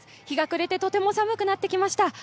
日が暮れてとても寒くなってきました。